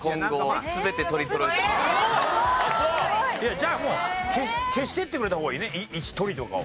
じゃあもう消していってくれた方がいいね１人とかを。